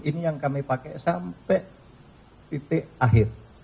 dan itu yang kami pakai sampai titik akhir